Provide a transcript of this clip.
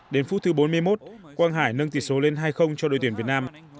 đến phút thứ bốn mươi một quang hải nâng tỷ số lên hai cho đội tuyển việt nam